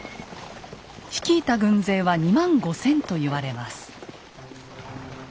率いた軍勢は２万５，０００と言われます。